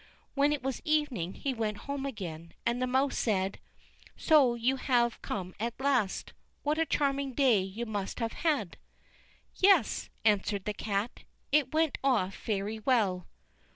When it was evening he went home again, and the mouse said: "So you have come at last; what a charming day you must have had!" "Yes," answered the cat; "it went off very well!"